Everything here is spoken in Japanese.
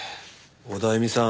オダエミさん